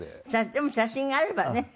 でも写真があればね。